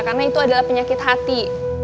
karena itu adalah penyakit hati